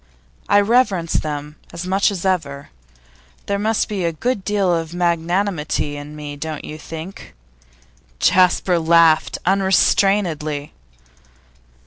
I reverence them as much as ever. There must be a good deal of magnanimity in me, don't you think?' Jasper laughed unrestrainedly.